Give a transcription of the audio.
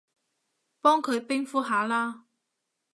幫佢冰敷下啦